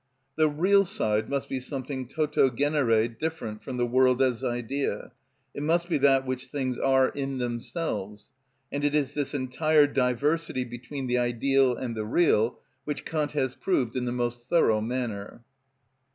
The real side must be something toto genere different from the world as idea, it must be that which things are in themselves; and it is this entire diversity between the ideal and the real which Kant has proved in the most thorough manner.